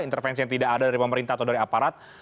intervensi yang tidak ada dari pemerintah atau dari aparat